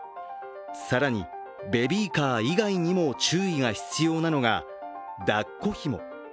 さらにベビーカー以外にも注意が必要なのは抱っこひも。